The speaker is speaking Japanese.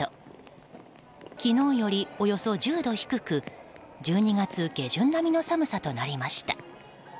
昨日よりおよそ１０度低く１２月下旬並みの寒さとなりました。